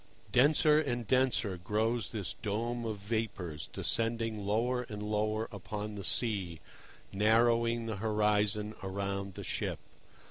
Denser and denser grows this dome of vapours, descending lower and lower upon the sea, narrowing the horizon around the ship.